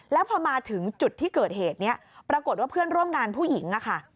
แล้วพอมาถึงจุดที่เกิดเหตุนี้ปรากฏว่าเพื่อนร่วมงานผู้หญิงค่ะ